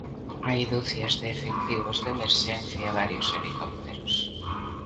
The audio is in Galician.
Hai ducias de efectivos de emerxencia e varios helicópteros.